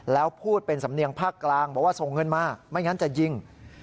แล้วพูดเป็นสำเนียงภาคกลางบอกว่าส่งเงินมาไม่งั้นจะยิง